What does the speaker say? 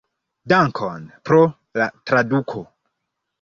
Dankon pro la traduko.